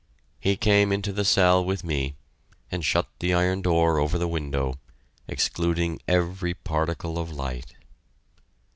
He came into the cell with me, and shut the iron door over the window, excluding every particle of light.